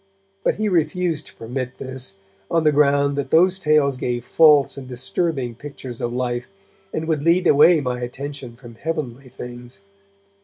But he refused to permit this, on the ground that those tales gave false and disturbing pictures of life, and would lead away my attention from heavenly things.